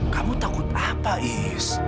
kamu takut apa iis